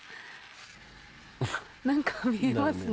何かが見えますね。